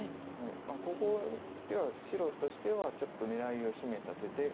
ここでは白としてはちょっと狙いを秘めた手で。